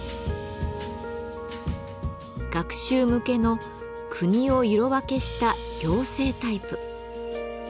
学習向けの国を色分けした行政タイプ。